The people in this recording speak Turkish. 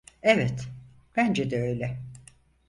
Evet, bence de öyle.